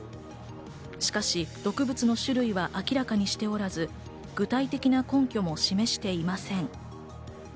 しかし、毒物の種類は明らかにしておらず、具体的な根拠も示していません。